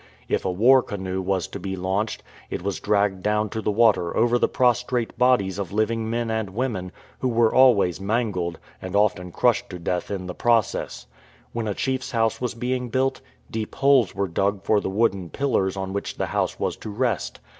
If a war canoe was to be launched, it was dragged down to the water over the prostrate bodies of living men and women, who were always mangled, and often crushed to death in the process. When a chiefs house was being built, deep holes were dug for the wooden pillars on which the house was to rest.